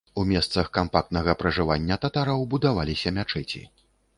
У месцах кампактнага пражывання татараў будаваліся мячэці.